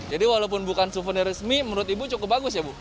jadi walaupun bukan suvenir resmi menurut ibu cukup bagus ya bu